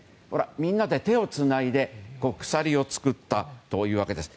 みんなで手をつないで鎖を作ったわけです。